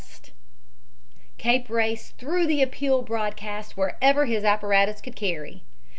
Cape Race threw the appeal broadcast wherever his apparatus could carry.